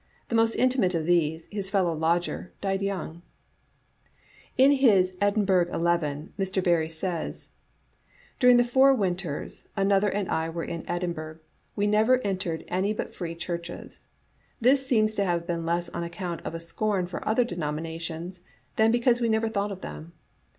The most intimate of these, his fellow lodger, died young. Digitized by VjOOQ IC 5* A« Jiattfe* xiii In his " Edinburgh Eleven," Mr. Barrie says: " During the four winters another and I were in Ed inburgh we never entered any but Free churches. This seems to have been less on account of a scorn for other denominations than because we never thought of them.